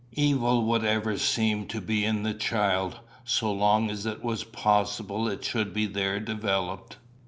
Evil would ever seem to be in the child, so long as it was possible it should be there developed.